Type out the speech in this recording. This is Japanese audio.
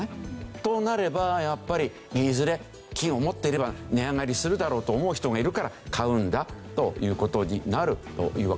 となればやっぱりいずれ金を持っていれば値上がりするだろうと思う人がいるから買うんだという事になるというわけですね。